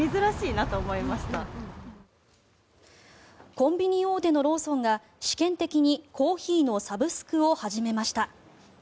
コンビニ大手のローソンが試験的にコーヒーのサブスクを始めました。